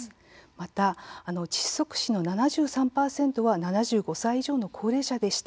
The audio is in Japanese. また窒息死の１３％は７５歳以上の高齢者でした。